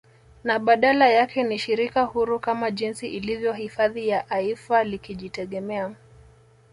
Na badala yake ni shirika huru kama jinsi ilivyo hifadhi ya aifa likijitegemea